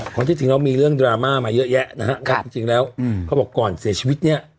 เพราะที่จริงแล้วมีเรื่องดราม่ามาเยอะแยะนะฮะว่าจริงแล้วเขาบอกก่อนเสียชีวิตเนี่ย